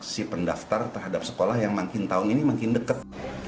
si pendaftar terhadap sekolah yang makin tahun ini makin dekat